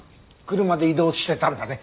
車で移動してたんだね。